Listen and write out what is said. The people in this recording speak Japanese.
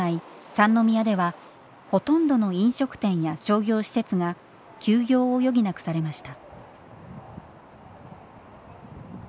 三宮ではほとんどの飲食店や商業施設が休業を余儀なくされました。